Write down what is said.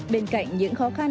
bên cạnh những khó khăn